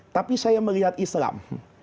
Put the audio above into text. tapi saya melihat islam